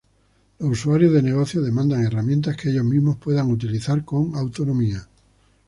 Los usuarios de negocio demandan herramientas que ellos mismos puedan utilizar con autonomía.